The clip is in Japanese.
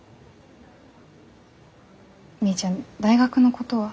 みーちゃん大学のことは？